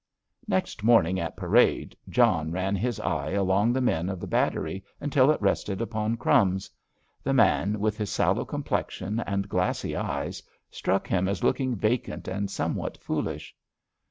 Next morning, at parade, John ran his eye along the men of the battery until it rested upon "Crumbs." The man, with his sallow complexion and glassy eyes, struck him as looking vacant and somewhat foolish.